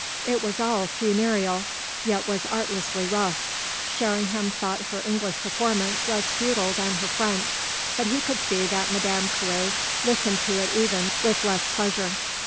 It was all funereal, yet was artlessly rough. Sherringham thought her English performance less futile than her French, but he could see that Madame Carré listened to it even with less pleasure.